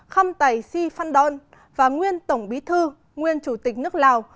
khâm tài si phan don và nguyên tổng bí thư nguyên chủ tịch nước lào